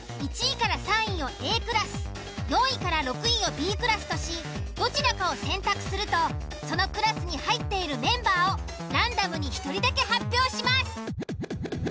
１位３位をＡクラス４位６位をＢクラスとしどちらかを選択するとそのクラスに入っているメンバーをランダムに１人だけ発表します。